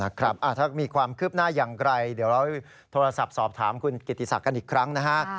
ถ้ามีความคืบหน้าอย่างไรเดี๋ยวเราโทรศัพท์สอบถามคุณกิติศักดิ์อีกครั้งนะฮะ